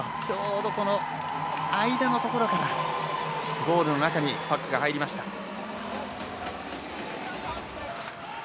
ちょうど、間のところからゴールの中にパックが入りました。